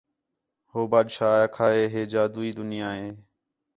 ہو بادشاہ آکھا ہِے ہِے جادوئی دُنیا ہِے